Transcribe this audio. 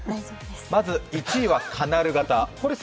まず、１位はカナル型。